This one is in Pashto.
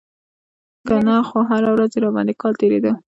که نه خو هره ورځ يې راباندې کال تېرېده.